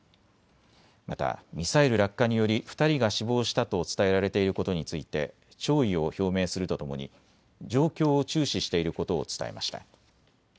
またミサイル落下により２人が死亡したと伝えられていることについて弔意を表明するとともに状況を注視していることを伝えました。